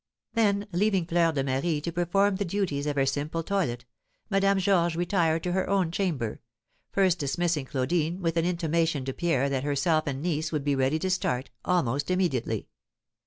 Then, leaving Fleur de Marie to perform the duties of her simple toilet, Madame Georges retired to her own chamber, first dismissing Claudine with an intimation to Pierre that herself and niece would be ready to start almost immediately.